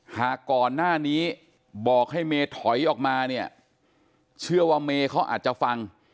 หากก่อนหน้านี้บอกให้เมย์ถอยออกมาเนี่ยเชื่อว่าเมย์เขาอาจจะฟัง